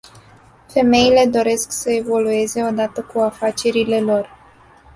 Femeile doresc să evolueze odată cu afacerile lor.